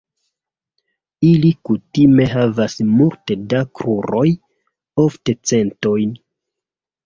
Ili kutime havas multe da kruroj, ofte centojn.